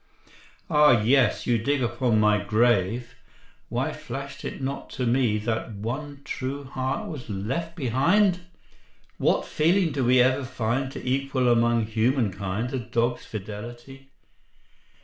"Ah yes! You dig upon my grave... Why flashed it not to me That one true heart was left behind! What feeling do we ever find To equal among human kind A dog's fidelity!"